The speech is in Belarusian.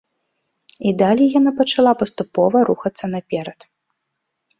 І далей яна пачала паступова рухацца наперад.